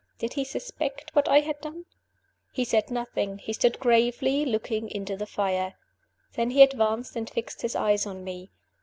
Did he suspect what I had done? He said nothing he stood gravely looking into the fire. Then he advanced and fixed his eyes on me.